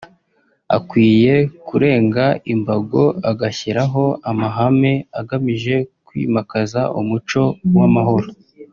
akwiye kurenga imbago agashyiraho amahame agamije kwimakaza umuco w’amahoro